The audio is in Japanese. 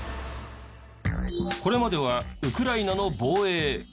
これまではウクライナの防衛。